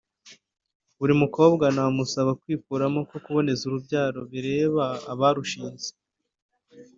Buri mukobwa namusaba kwikuramo ko kuboneza urubyaro bireba abarushinze